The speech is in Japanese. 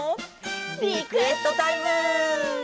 リクエストタイム！